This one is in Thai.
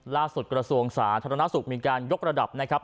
ล่าสุดกระวงศาธรณะศุกร์มีการยกระดับนะครับ